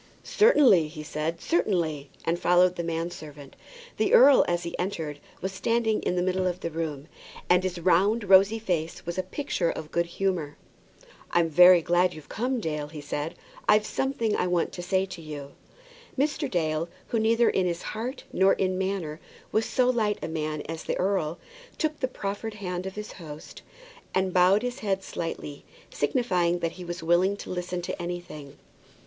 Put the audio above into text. "Certainly," he said, "certainly;" and followed the man servant. The earl, as he entered, was standing in the middle of the room, and his round rosy face was a picture of good humour. "I'm very glad you've come, Dale," said he. "I've something I want to say to you." Mr. Dale, who neither in heart nor in manner was so light a man as the earl, took the proffered hand of his host, and bowed his head slightly, signifying that he was willing to listen to anything.